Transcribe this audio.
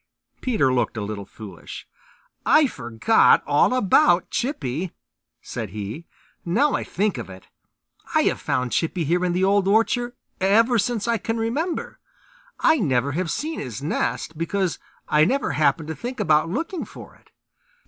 Peter looked a little foolish. "I forgot all about Chippy," said he. "Now I think of it, I have found Chippy here in the Old Orchard ever since I can remember. I never have seen his nest because I never happened to think about looking for it.